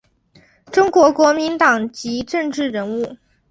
中国国民党籍政治人物。